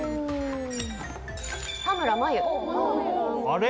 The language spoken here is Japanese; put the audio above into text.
あれ？